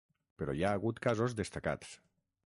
Però hi ha hagut casos destacats.